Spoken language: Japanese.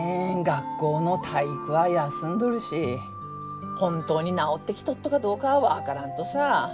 学校の体育は休んどるし本当に治ってきとっとかどうかは分からんとさ。